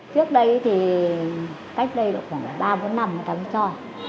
trước đây thì cách đây khoảng ba bốn năm người ta mới cho